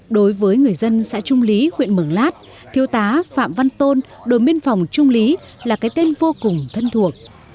đối với người dân xã trung lý huyện mường lát thiêu tá phạm văn tôn đồ miên phòng trung lý là cái tên vô cùng thân thuộc